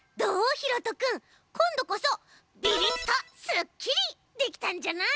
ひろとくんこんどこそビビッとスッキリできたんじゃない？